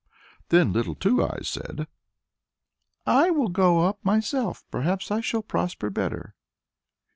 Then Little Two Eyes said, "I will go up myself; perhaps I shall prosper better."